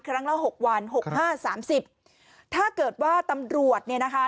ละหกวันหกห้าสามสิบถ้าเกิดว่าตำรวจเนี่ยนะคะ